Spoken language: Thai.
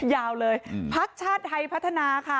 ยาวเลยพักชาติไทยพัฒนาค่ะ